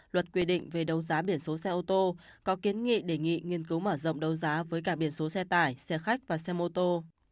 luật quy định về đấu giá biển số xe ô tô có kiến nghị đề nghị nghiên cứu mở rộng đấu giá với cả biển số xe tải xe khách và xe mô tô